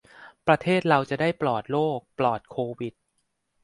ประเทศเราจะได้ปลอดโรคปลอดโควิด